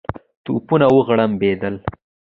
توپونه وغړمبېدل.